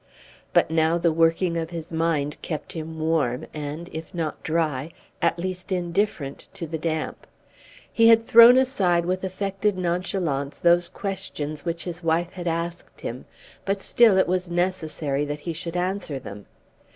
But now the working of his mind kept him warm, and, if not dry, at least indifferent to the damp. He had thrown aside with affected nonchalance those questions which his wife had asked him, but still it was necessary that he should answer them.